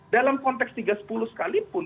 dalam konteks tiga ratus sepuluh sekalipun